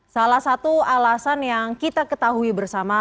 salah satu alasan yang kita ketahui bersama